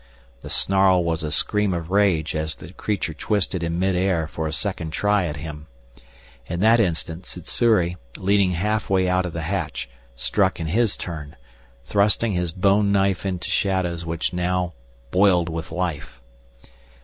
The snarl was a scream of rage as the creature twisted in midair for a second try at him. In that instant Sssuri, leaning halfway out of the hatch, struck in his turn, thrusting his bone knife into shadows which now boiled with life.